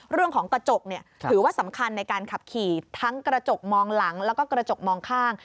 เรื่องของกระจกถือว่าสำคัญในการขับขี่ทั้งกระจกมองหลังแล้วก็กระจกมองข้าง